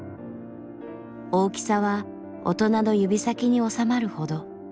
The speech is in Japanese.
大きさは大人の指先に収まるほど。